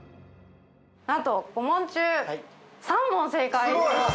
なんと５問中３問正解でした。